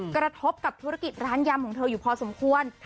กระทบกับธุรกิจร้านยำของเธออยู่พอสมควร